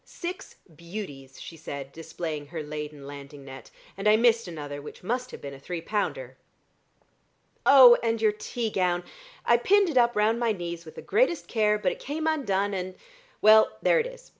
"Six beauties," she said, displaying her laden landing net, "and I missed another which must have been a three pounder. Oh, and your tea gown! I pinned it up round my knees with the greatest care, but it came undone, and, well there it is.